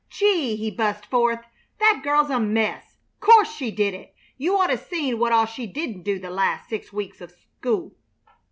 "Gee!" he burst forth. "That girl's a mess! 'Course she did it! You oughta seen what all she didn't do the last six weeks of school.